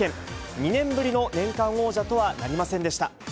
２年ぶりの年間王者とはなりませんでした。